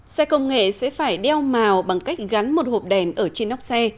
xe công nghệ sẽ phải đeo màu bằng cách gắn một hộp đèn ở trên nóc xe